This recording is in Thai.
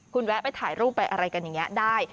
คุณแวะไปถ่ายรูปไปอะไรกันอย่างนี้ได้